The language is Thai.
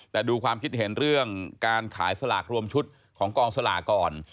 แต่ดูความคิดเห็นเรื่องการขายสลากรวมชุดของกองสลากก่อน